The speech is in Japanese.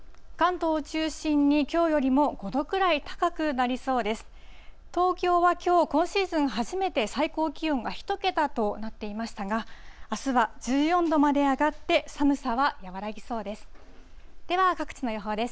東京はきょう、今シーズン初めて最高気温が１桁となっていましたが、あすは１４度まで上がって、寒さは和らぎそうです。